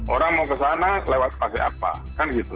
orang mau ke sana lewat pakai apa kan gitu